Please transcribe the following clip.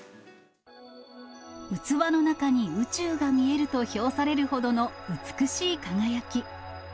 器の中に宇宙が見えると評されるほどの美しい輝き。